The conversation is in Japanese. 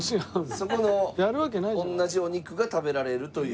そこと同じお肉が食べられるという。